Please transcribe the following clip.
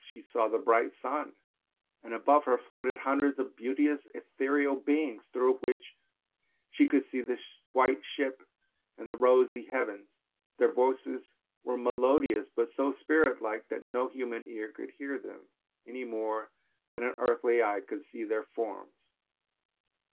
She saw the bright sun and above her floated hundreds of beauteous ethereal beings through which she could see the white ship and the rosy heavens, their voices were melodious but so spirit like that no human ear could hear them, any more than an earthly eye could see their forms.